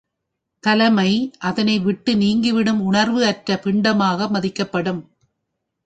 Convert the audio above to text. தலைமை அதனை விட்டு நீங்கிவிடும் உணர்வு அற்ற பிண்டமாக மதிக்கப்படும்.